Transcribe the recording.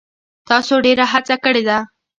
تاسو ډیره هڅه کړې ده.